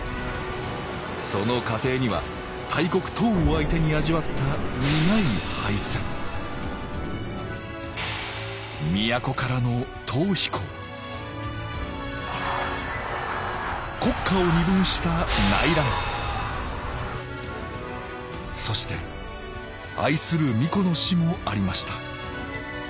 その過程には大国唐を相手に味わった苦い敗戦都からの逃避行国家を二分した内乱そして愛する皇子の死もありました